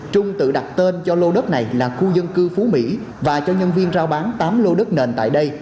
trung tự đặt tên cho lô đất này là khu dân cư phú mỹ và cho nhân viên rao bán tám lô đất nền tại đây